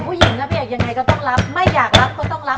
แต่ผู้หญิงยังไงก็ต้องรับไม่อยากรับก็ต้องรับ